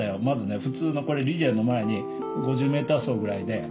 まずね普通のこれリレーの前に５０ｍ走ぐらいで。